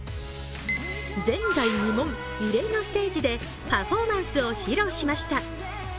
前代未聞、異例のステージでパフォーマンスを披露しました。